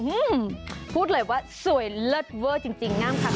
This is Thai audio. อื้มพูดเลยว่าสวยเลิศเวิร์ดจริงง่ำค่ะแม่ค่ะ